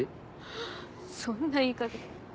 ハァそんな言い方。